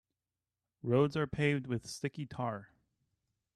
Roads are paved with sticky tar.